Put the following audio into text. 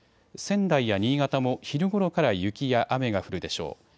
仙台や新潟も昼ごろから雪や雨が降るでしょう。